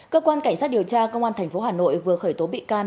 cơ quan cảnh sát điều tra công an tp hcm vừa khởi tố bị can